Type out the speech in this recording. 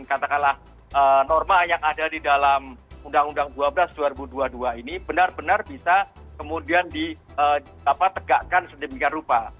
katakanlah norma yang ada di dalam undang undang dua belas dua ribu dua puluh dua ini benar benar bisa kemudian ditegakkan sedemikian rupa